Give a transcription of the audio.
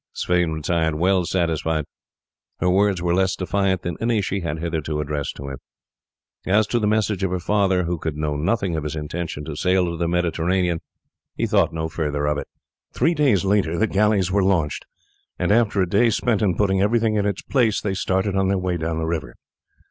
Sweyn retired well satisfied. Her words were less defiant than any she had hitherto addressed to him. As to the message of her father, who could know nothing of his intention to sail to the Mediterranean, he thought no further of it. Three days later the galleys were launched, and after a day spent in putting everything in its place they started on their way down the river.